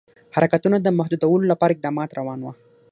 حرکتونو د محدودولو لپاره اقدامات روان وه.